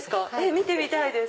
見てみたいです。